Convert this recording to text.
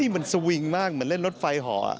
มันสวิงมากเหมือนเล่นรถไฟห่อ